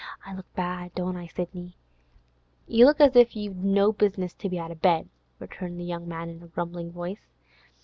I look bad, don't I, Sidney?' 'You look as if you'd no business to be out of bed,' returned the young man in a grumbling voice.